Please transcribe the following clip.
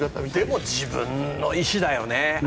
でも、自分の意思だよね。